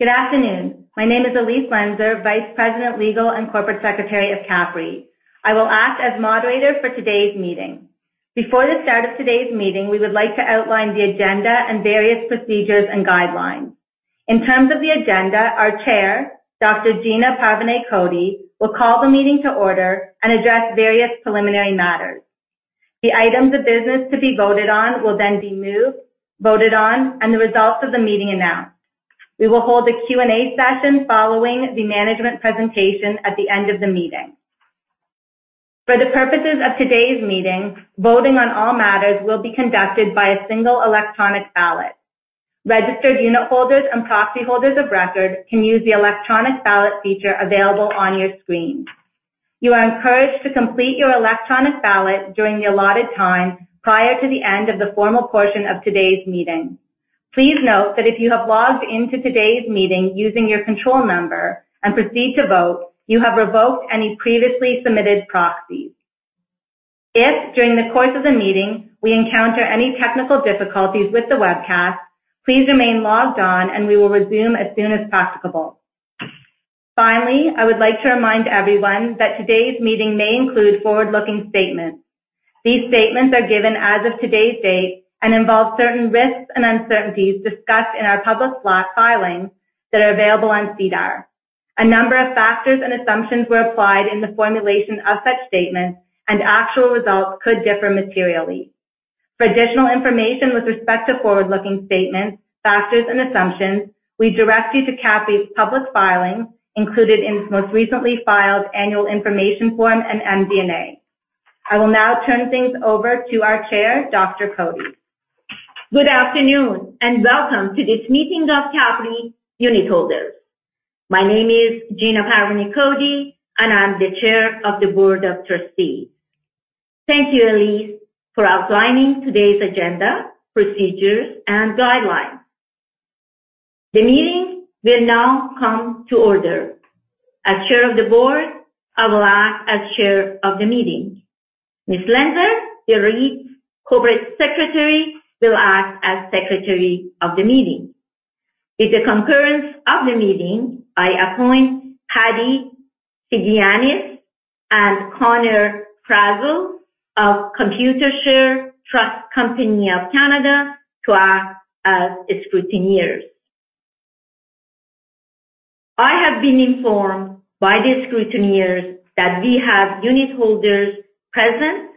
Good afternoon. My name is Elise Lenser, Vice President, Legal and Corporate Secretary of CAPREIT. I will act as moderator for today's meeting. Before the start of today's meeting, we would like to outline the agenda and various procedures and guidelines. In terms of the agenda, our Chair, Dr. Gina Parvaneh Cody, will call the meeting to order and address various preliminary matters. The items of business to be voted on will then be moved, voted on, and the results of the meeting announced. We will hold a Q&A session following the management presentation at the end of the meeting. For the purposes of today's meeting, voting on all matters will be conducted by a single electronic ballot. Registered unitholders and proxy holders of record can use the electronic ballot feature available on your screen. You are encouraged to complete your electronic ballot during the allotted time prior to the end of the formal portion of today's meeting. Please note that if you have logged into today's meeting using your control number and proceed to vote, you have revoked any previously submitted proxies. If, during the course of the meeting, we encounter any technical difficulties with the webcast, please remain logged on and we will resume as soon as practicable. Finally, I would like to remind everyone that today's meeting may include forward-looking statements. These statements are given as of today's date and involve certain risks and uncertainties discussed in our public slot filings that are available on Sedar. A number of factors and assumptions were applied in the formulation of such statements, and actual results could differ materially. For additional information with respect to forward-looking statements, factors, and assumptions, we direct you to CAPREIT's public filings included in its most recently filed annual information form and MD&A. I will now turn things over to our Chair, Dr. Cody. Good afternoon, welcome to this meeting of CAPREIT unitholders. My name is Gina Parvaneh Cody, and I'm the chair of the board of Trustees. Thank you, Elise, for outlining today's agenda, procedures, and guidelines. The meeting will now come to order. As Chair of the Board, I will act as Chair of the Meeting. Ms. Lenser, the REIT Corporate Secretary, will act as Secretary of the Meeting. With the concurrence of the meeting, I appoint Patty Sigiannis and Connor Frazel of Computershare Trust Company of Canada to act as scrutineers. I have been informed by the scrutineers that we have unitholders present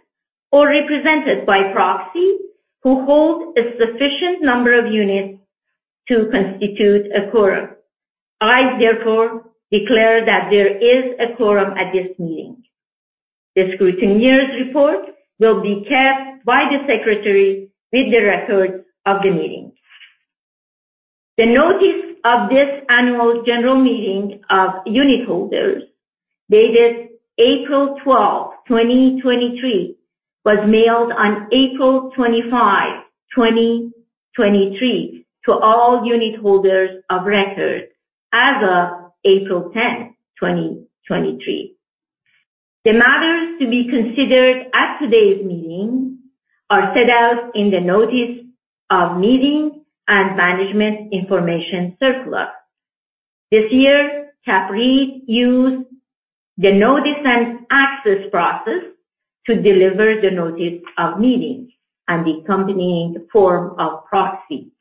or represented by proxy, who hold a sufficient number of units to constitute a quorum. I, therefore, declare that there is a quorum at this meeting. The scrutineers' report will be kept by the secretary with the records of the meeting. The notice of this annual general meeting of unitholders, dated April 12, 2023, was mailed on April 25, 2023, to all unitholders of record as of April 10, 2023. The matters to be considered at today's meeting are set out in the notice of meeting and management information circular. This year, CAPREIT used the notice and access process to deliver the notice of meeting and the accompanying form of proxy,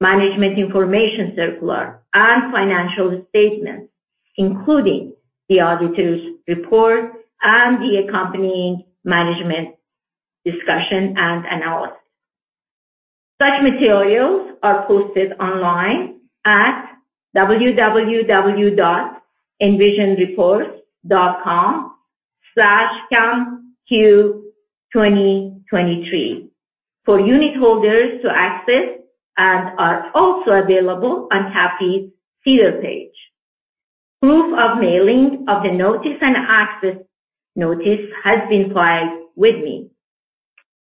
management information circular, and financial statements, including the auditor's report and the accompanying management discussion and analysis. Such materials are posted online at www.envisionreports.com/CAMQ2023 for unitholders to access, and are also available on CAPREIT's SEDAR page. Proof of mailing of the notice and access notice has been filed with me.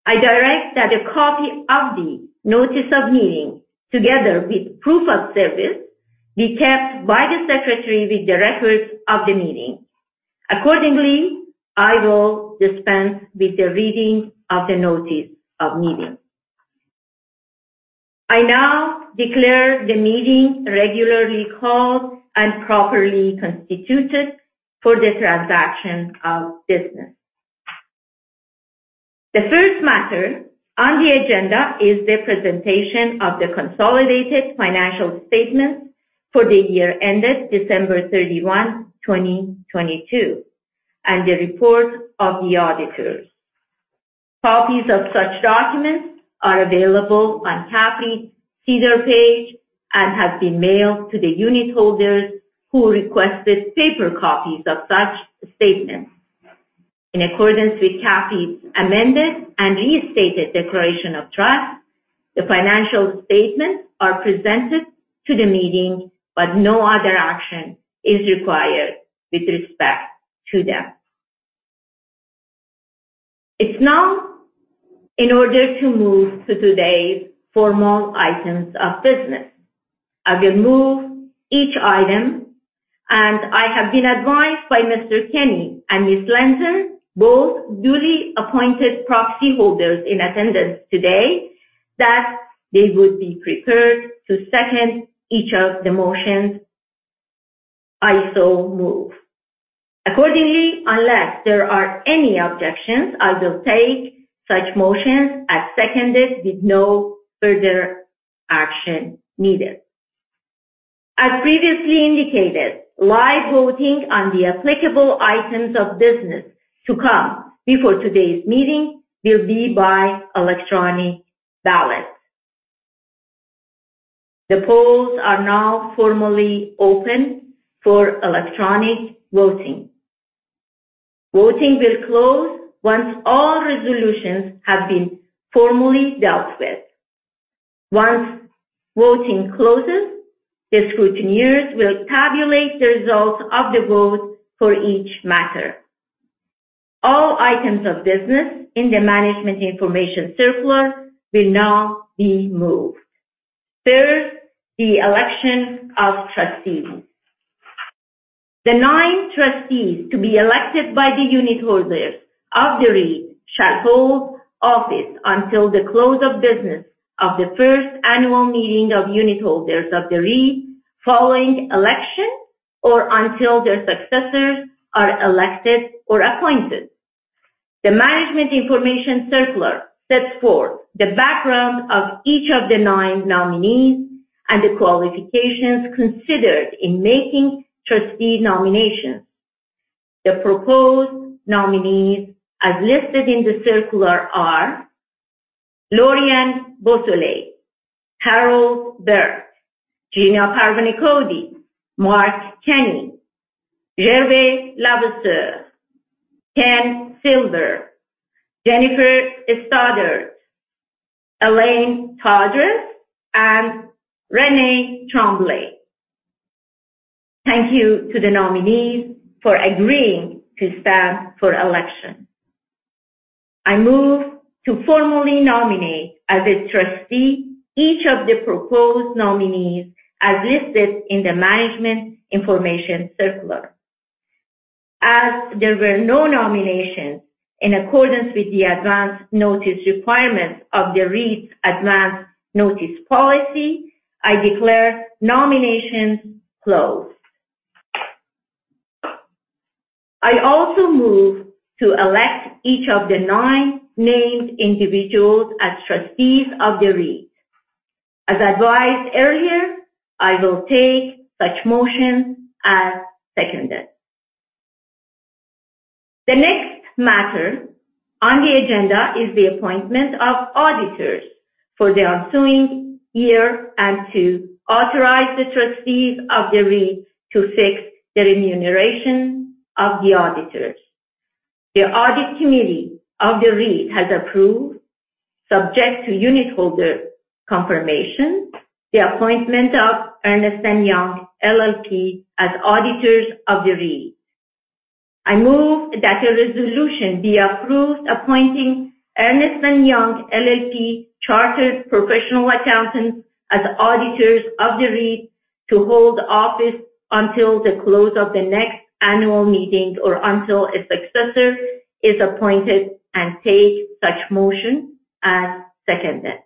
I direct that a copy of the notice of meeting, together with proof of service, be kept by the secretary with the records of the meeting. Accordingly, I will dispense with the reading of the notice of meeting. I now declare the meeting regularly called and properly constituted for the transaction of business. The first matter on the agenda is the presentation of the consolidated financial statements for the year ended December 31, 2022, and the report of the auditors. Copies of such documents are available on CAPREIT's SEDAR page and have been mailed to the unitholders who requested paper copies of such statements. In accordance with CAPREIT's amended and restated declaration of trust, the financial statements are presented to the meeting, but no other action is required with respect to them. It's now in order to move to today's formal items of business. I will move each item and I have been advised by Mr. Kenney and Ms. Lenser, both duly appointed proxy holders in attendance today, that they would be prepared to second each of the motions I so move. Unless there are any objections, I will take such motions as seconded with no further action needed. Previously indicated, live voting on the applicable items of business to come before today's meeting will be by electronic ballot. The polls are now formally open for electronic voting. Voting will close once all resolutions have been formally dealt with. Voting closes, the scrutineers will tabulate the results of the vote for each matter. All items of business in the management information circular will now be moved. First, the election of Trustees. The nine Trustees to be elected by the unitholders of the REIT shall hold office until the close of business of the first annual meeting of unitholders of the REIT following election, or until their successors are elected or appointed. The management information circular sets forth the background of each of the nine nominees and the qualifications considered in making Trustee nominations. The proposed nominees, as listed in the circular, are Lori-Ann Beausoleil, Harold Burke, Gina Parvaneh Cody, Mark Kenney, Gervais Levasseur, Ken Silver, Jennifer Stoddart, Elaine Todres, and René Tremblay. Thank you to the nominees for agreeing to stand for election. I move to formally nominate as a Trustee, each of the proposed nominees as listed in the management information circular. As there were no nominations, in accordance with the advance notice requirements of the REIT's advance notice policy, I declare nominations closed. I also move to elect each of the nine named individuals as Trustees of the REIT. As advised earlier, I will take such motion as seconded. The next matter on the agenda is the appointment of auditors for the ensuing year, and to authorize the Trustees of the REIT to fix the remuneration of the auditors. The audit committee of the REIT has approved, subject to unitholder confirmation, the appointment of Ernst & Young LLP as auditors of the REIT. I move that a resolution be approved, appointing Ernst & Young LLP, Chartered Professional Accountants, as auditors of the REIT to hold office until the close of the next annual meeting or until a successor is appointed, and take such motion as seconded.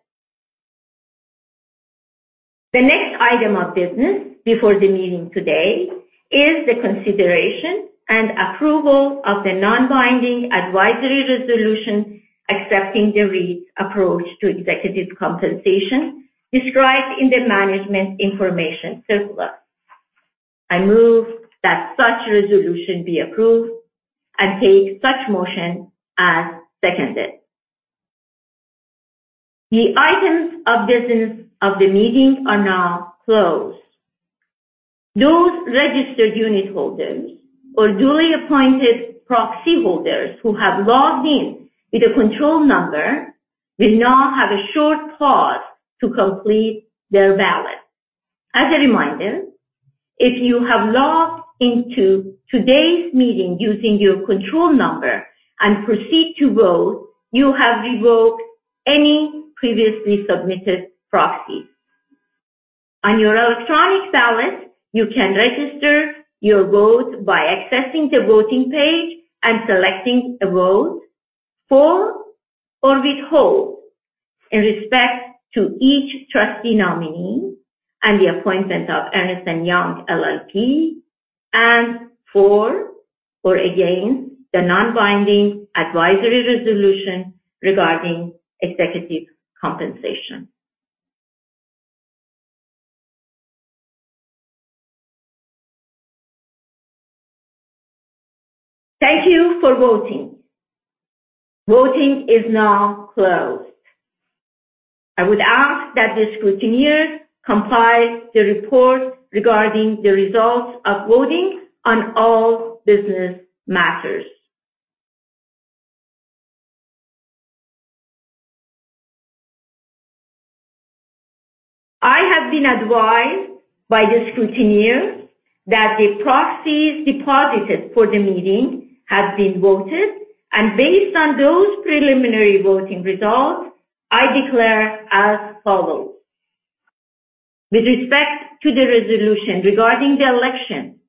The next item of business before the meeting today is the consideration and approval of the non-binding advisory resolution, accepting the REIT's approach to executive compensation described in the management information circular. I move that such resolution be approved and take such motion as seconded. The items of business of the meeting are now closed. Those registered unitholders or duly appointed proxy holders who have logged in with a control number will now have a short pause to complete their ballot. As a reminder, if you have logged into today's meeting using your control number and proceed to vote, you have revoked any previously submitted proxies. On your electronic ballot, you can register your vote by accessing the voting page and selecting a vote for or withhold, in respect to each Trustee nominee and the appointment of Ernst & Young LLP, and for or against the non-binding advisory resolution regarding executive compensation. Thank you for voting. Voting is now closed. I would ask that the scrutineer compile the report regarding the results of voting on all business matters. I have been advised by the scrutineer that the proxies deposited for the meeting have been voted, Based on those preliminary voting results, I declare as follows: With respect to the resolution regarding the election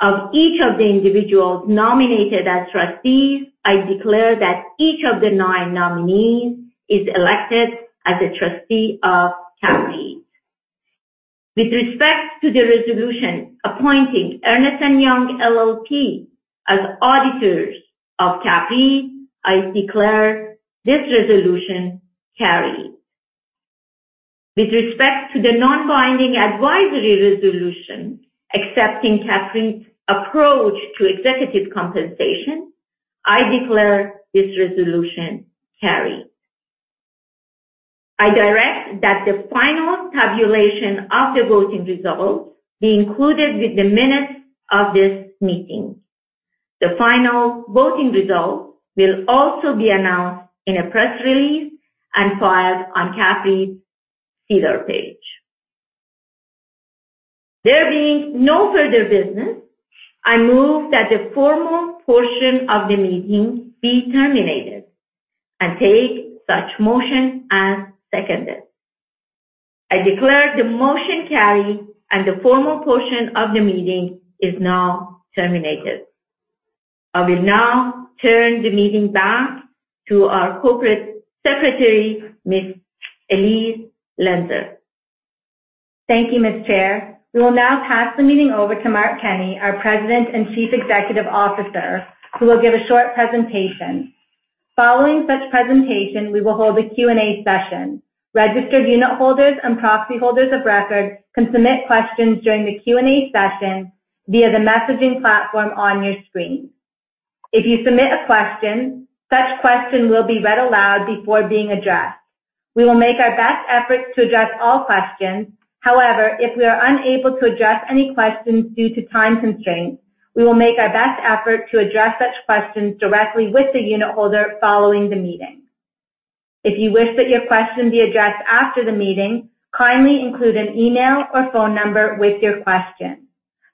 of each of the individuals nominated as Trustees, I declare that each of the nine nominees is elected as a Trustee of CAPREIT. With respect to the resolution appointing Ernst & Young LLP, as auditors of CAPREIT, I declare this resolution carried. With respect to the non-binding advisory resolution accepting CAPREIT's approach to executive compensation, I declare this resolution carried. I direct that the final tabulation of the voting results be included with the minutes of this meeting. The final voting results will also be announced in a press release and filed on CAPREIT's SEDAR page. There being no further business, I move that the formal portion of the meeting be terminated, and take such motion as seconded. I declare the motion carried, and the formal portion of the meeting is now terminated. I will now turn the meeting back to our Corporate Secretary, Ms. Elise Lenser. Thank you, Ms. Chair. We will now pass the meeting over to Mark Kenney, our President and Chief Executive Officer, who will give a short presentation. Following such presentation, we will hold a Q&A session. Registered unitholders and proxyholders of record can submit questions during the Q&A session via the messaging platform on your screen. If you submit a question, such question will be read aloud before being addressed. We will make our best effort to address all questions. However, if we are unable to address any questions due to time constraints, we will make our best effort to address such questions directly with the unitholder following the meeting. If you wish that your question be addressed after the meeting, kindly include an email or phone number with your question.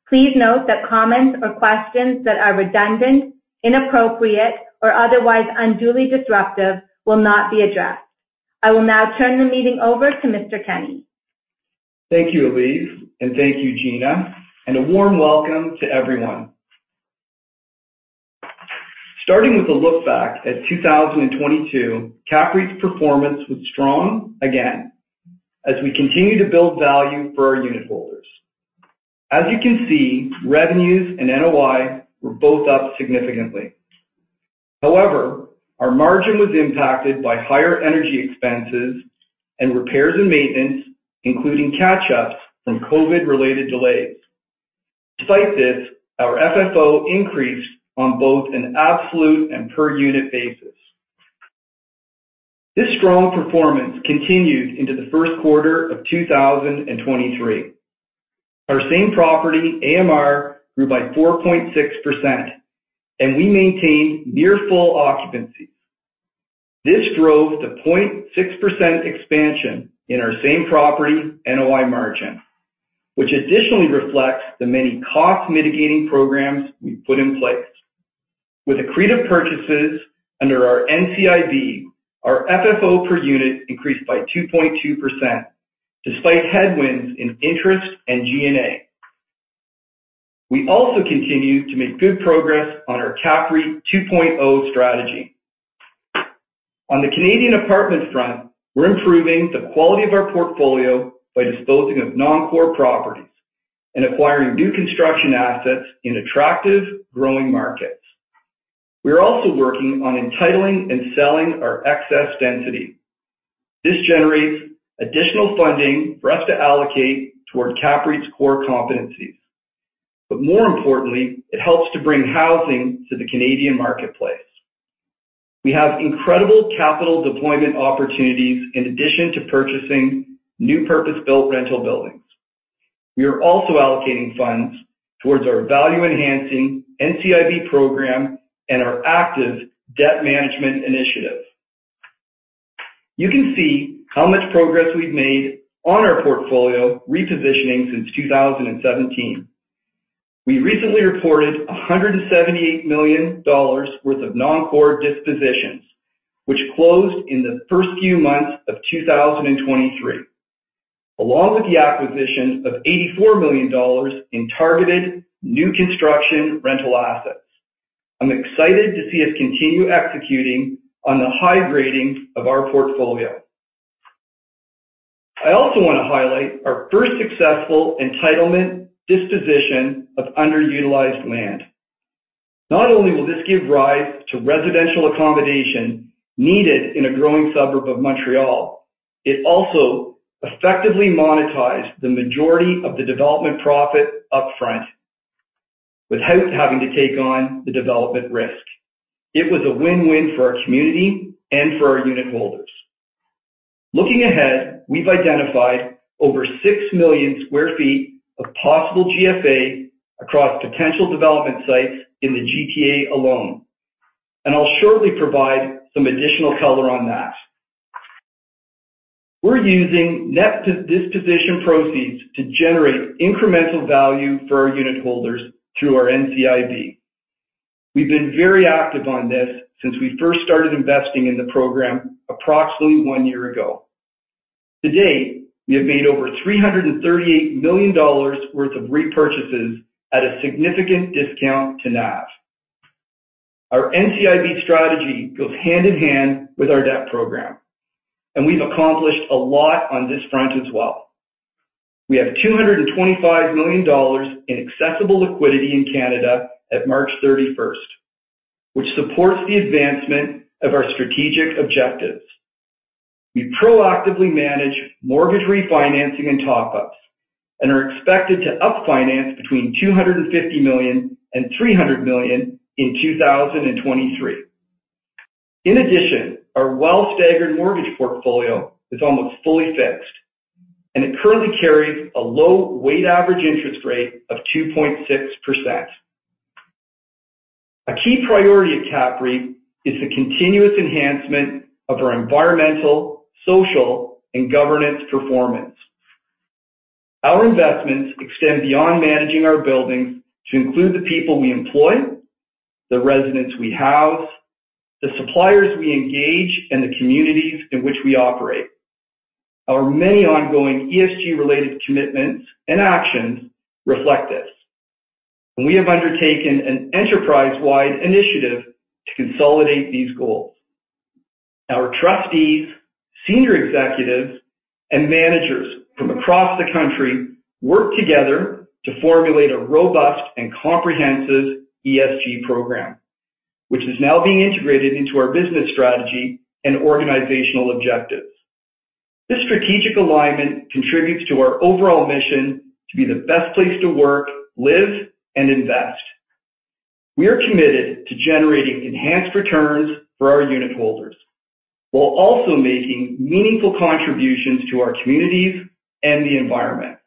Please note that comments or questions that are redundant, inappropriate, or otherwise unduly disruptive will not be addressed. I will now turn the meeting over to Mr. Kenney. Thank you, Elise. Thank you, Gina. A warm welcome to everyone. Starting with a look back at 2022, CAPREIT's performance was strong again as we continue to build value for our unitholders. As you can see, revenues and NOI were both up significantly. However, our margin was impacted by higher energy expenses and repairs and maintenance, including catch-ups from COVID-related delays. Despite this, our FFO increased on both an absolute and per-unit basis. This strong performance continued into the first quarter of 2023. Our same property AMR grew by 4.6%. We maintained near full occupancies. This drove the 0.6% expansion in our same property NOI margin, which additionally reflects the many cost-mitigating programs we've put in place. With accretive purchases under our NCIB, our FFO per unit increased by 2.2%, despite headwinds in interest and G&A. We also continued to make good progress on our CAPREIT 2.0 strategy. On the Canadian apartment front, we're improving the quality of our portfolio by disposing of non-core properties and acquiring new construction assets in attractive, growing markets. We are also working on entitling and selling our excess density. This generates additional funding for us to allocate toward CAPREIT's core competencies, but more importantly, it helps to bring housing to the Canadian marketplace. We have incredible capital deployment opportunities in addition to purchasing new purpose-built rental buildings. We are also allocating funds towards our value-enhancing NCIB program and our active debt management initiative. You can see how much progress we've made on our portfolio repositioning since 2017. We recently reported 178 million dollars worth of non-core dispositions, which closed in the first few months of 2023, along with the acquisition of 84 million dollars in targeted new construction rental assets. I'm excited to see us continue executing on the high grading of our portfolio. I also want to highlight our first successful entitlement disposition of underutilized land. Not only will this give rise to residential accommodation needed in a growing suburb of Montreal, it also effectively monetized the majority of the development profit upfront without having to take on the development risk. It was a win-win for our community and for our unitholders. Looking ahead, we've identified over six million sq ft of possible GFA across potential development sites in the GTA alone, and I'll shortly provide some additional color on that. We're using net disposition proceeds to generate incremental value for our unitholders through our NCIB. We've been very active on this since we first started investing in the program approximately one year ago. To date, we have made over 338 million dollars worth of repurchases at a significant discount to NAV. Our NCIB strategy goes hand in hand with our debt program, and we've accomplished a lot on this front as well. We have 225 million dollars in accessible liquidity in Canada at March 31st, which supports the advancement of our strategic objectives. We proactively manage mortgage refinancing and top-ups, and are expected to up finance between 250 million and 300 million in 2023. In addition, our well-staggered mortgage portfolio is almost fully fixed. It currently carries a low weighted average interest rate of 2.6%. A key priority at CAPREIT is the continuous enhancement of our environmental, social, and governance performance. Our investments extend beyond managing our buildings to include the people we employ, the residents we house, the suppliers we engage, and the communities in which we operate. Our many ongoing ESG related commitments and actions reflect this. We have undertaken an enterprise-wide initiative to consolidate these goals. Our Trustees, senior executives, and managers from across the country work together to formulate a robust and comprehensive ESG program, which is now being integrated into our business strategy and organizational objectives. This strategic alignment contributes to our overall mission to be the best place to work, live, and invest. We are committed to generating enhanced returns for our unitholders, while also making meaningful contributions to our communities and the environment.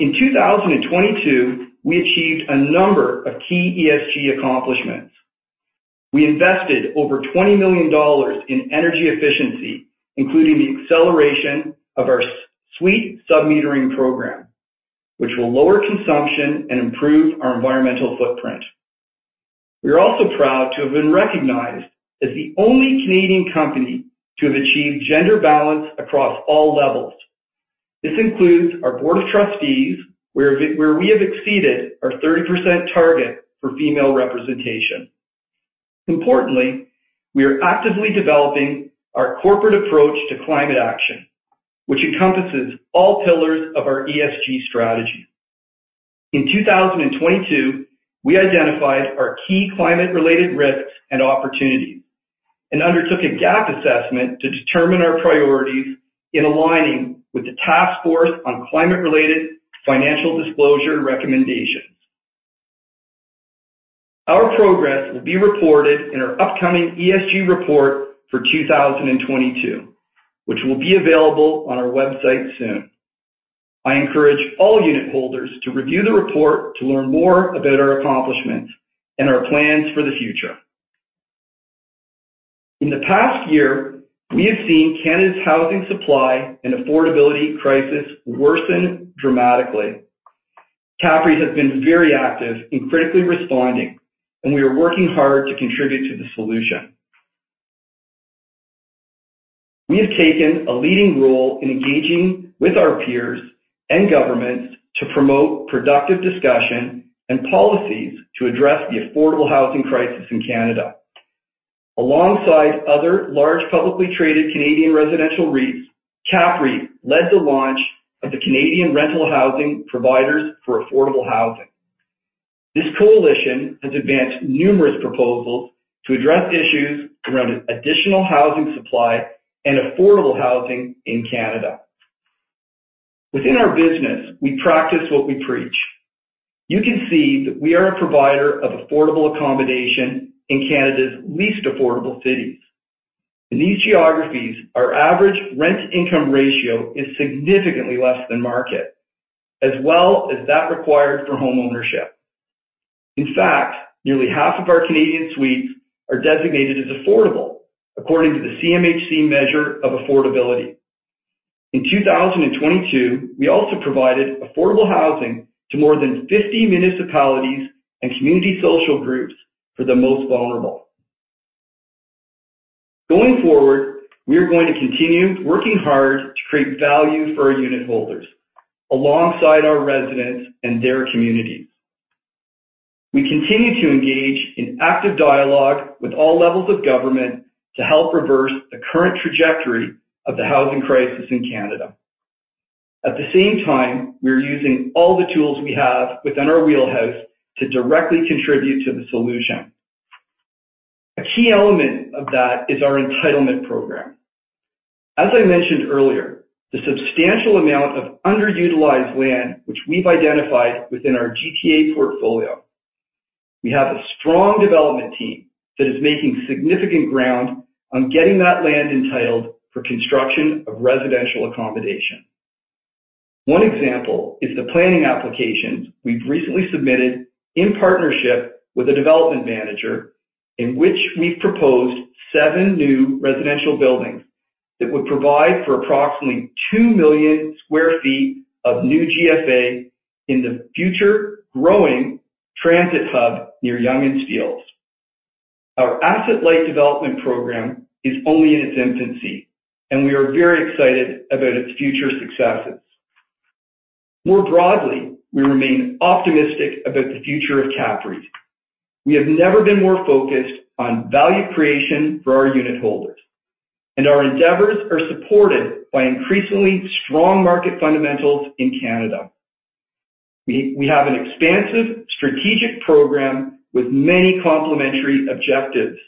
In 2022, we achieved a number of key ESG accomplishments. We invested over 20 million dollars in energy efficiency, including the acceleration of our suite sub-metering program, which will lower consumption and improve our environmental footprint. We are also proud to have been recognized as the only Canadian company to have achieved gender balance across all levels. This includes our board of Trustees, where we have exceeded our 30% target for female representation. Importantly, we are actively developing our corporate approach to climate action, which encompasses all pillars of our ESG strategy. In 2022, we identified our key climate-related risks and opportunities, and undertook a gap assessment to determine our priorities in aligning with the Task Force on Climate-related Financial Disclosures recommendations. Our progress will be reported in our upcoming ESG report for 2022, which will be available on our website soon. I encourage all unitholders to review the report to learn more about our accomplishments and our plans for the future. In the past year, we have seen Canada's housing supply and affordability crisis worsen dramatically. CAPREIT has been very active in critically responding, and we are working hard to contribute to the solution. We have taken a leading role in engaging with our peers and governments to promote productive discussion and policies to address the affordable housing crisis in Canada. Alongside other large, publicly traded Canadian residential REITs, CAPREIT led the launch of the Canadian Rental Housing Providers for Affordable Housing. This coalition has advanced numerous proposals to address issues around additional housing supply and affordable housing in Canada. Within our business, we practice what we preach. You can see that we are a provider of affordable accommodation in Canada's least affordable cities. In these geographies, our average rent-income ratio is significantly less than market, as well as that required for homeownership. In fact, nearly half of our Canadian suites are designated as affordable, according to the CMHC measure of affordability. In 2022, we also provided affordable housing to more than 50 municipalities and community social groups for the most vulnerable. Going forward, we are going to continue working hard to create value for our unitholders, alongside our residents and their communities. We continue to engage in active dialogue with all levels of government to help reverse the current trajectory of the housing crisis in Canada. At the same time, we are using all the tools we have within our wheelhouse to directly contribute to the solution. A key element of that is our entitlement program. As I mentioned earlier, the substantial amount of underutilized land, which we've identified within our GTA portfolio, we have a strong development team that is making significant ground on getting that land entitled for construction of residential accommodation. One example is the planning application we've recently submitted in partnership with a development manager, in which we've proposed seven new residential buildings that would provide for approximately 2 million sq ft of new GFA in the future growing transit hub near Yonge and Steeles. Our asset-light development program is only in its infancy, and we are very excited about its future successes. More broadly, we remain optimistic about the future of CAPREIT. We have never been more focused on value creation for our unitholders, and our endeavors are supported by increasingly strong market fundamentals in Canada. We have an expansive strategic program with many complementary objectives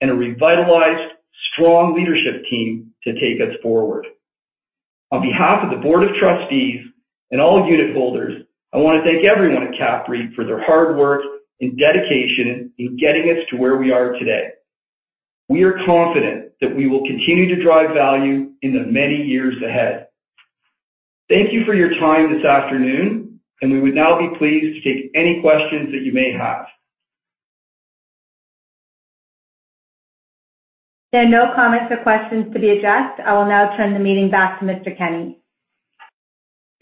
and a revitalized, strong leadership team to take us forward. On behalf of the board of Trustees and all unitholders, I want to thank everyone at CAPREIT for their hard work and dedication in getting us to where we are today. We are confident that we will continue to drive value in the many years ahead. Thank you for your time this afternoon, and we would now be pleased to take any questions that you may have. There are no comments or questions to be addressed. I will now turn the meeting back to Mr. Kenney.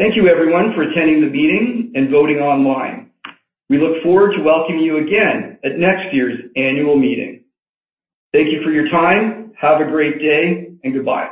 Thank you, everyone, for attending the meeting and voting online. We look forward to welcoming you again at next year's annual meeting. Thank you for your time. Have a great day, and goodbye.